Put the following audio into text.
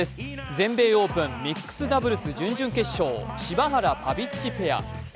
全米オープンミックスダブルス準々決勝、柴原・パビッチペア。